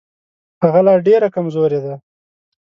هغه لا ډېره کمزورې ده.